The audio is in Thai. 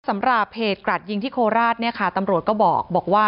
สำหรับเหตุกราดยิงที่โคราชเนี่ยค่ะตำรวจก็บอกว่า